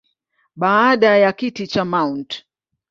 Baada ya kiti cha Mt.